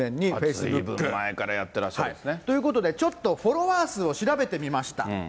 だいぶ前からやってらっしゃるということで、フォロワー数を調べてみました。